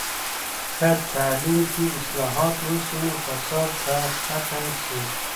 که تعلیم کې اصلاحات وسي، نو فساد به ختم سي.